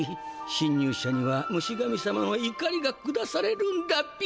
侵入者にはムシ神様のいかりが下されるんダッピ。